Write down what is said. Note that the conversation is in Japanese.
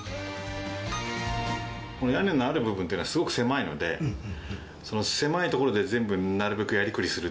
屋根がある部分っていうのはすごく狭いのでその狭い所で全部なるべくやりくりするっていう。